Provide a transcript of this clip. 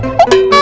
nih gini caranya